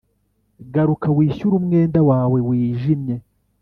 garuka wishyure umwenda wawe wijimye. "